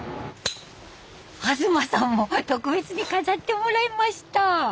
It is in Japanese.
東さんも特別に飾ってもらいました。